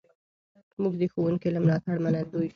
موږ د ښوونکي له ملاتړه منندوی یو.